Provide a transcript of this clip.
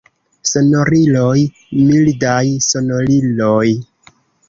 Sonoriloj mildaj, sonoriloj!